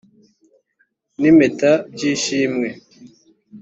n’impeta by’ishimwe